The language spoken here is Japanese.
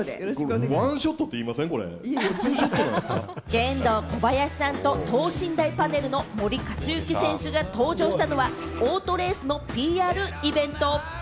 ケンドーコバヤシさんと等身大パネルの森且行選手が登場したのはオートレースのＰＲイベント。